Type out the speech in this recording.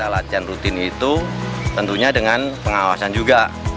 latihan rutin itu tentunya dengan pengawasan juga